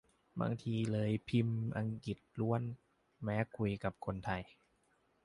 บางทีเลยพิมพ์อังกฤษล้วนแม้คุยกับคนไทย